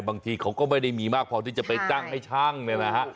บางทีเขาก็ไม่ได้มีมากพอที่จะไปจ้างให้ช่างเนี่ยนะฮะ